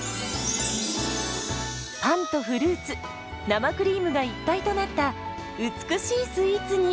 パンとフルーツ生クリームが一体となった美しいスイーツに。